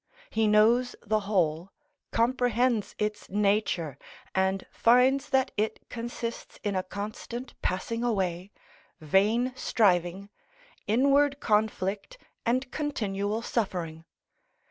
He knows the whole, comprehends its nature, and finds that it consists in a constant passing away, vain striving, inward conflict, and continual suffering.